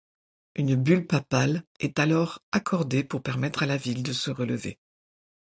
Une bulle papale est alors accordée pour permettre à la ville de se relever.